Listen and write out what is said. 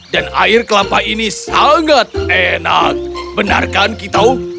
dan air kelapa ini sangat enak benar kan kitau